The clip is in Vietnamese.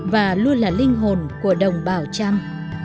và luôn là linh hồn của đồng bào tram